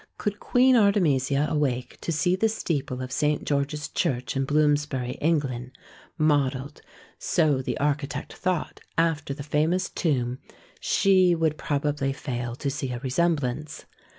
Could Queen Artemisia awake to see the steeple of St. George's Church in Bloomsbury, England, modelled, so the archi 138 THE SEVEN WONDERS tect thought, after the famous tomb, she would probably fail to see a resemblance.